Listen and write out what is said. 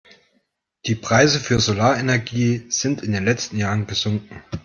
Die Preise für Solarenergie sind in den letzten Jahren gesunken.